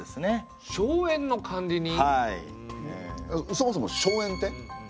そもそも荘園って？